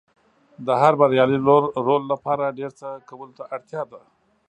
د هر بریالي رول لپاره ډېر څه کولو ته اړتیا ده.